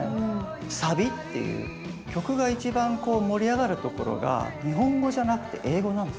サビっていう曲が一番こう盛り上がるところが日本語じゃなくて英語なんですよね。